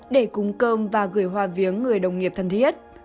để cúng cơm và gửi hoa viếng người đồng nghiệp thân thiết